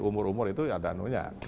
umur umur itu ada anunya